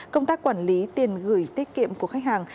công tác quản lý tiền gửi tiết kiệm của khách hàng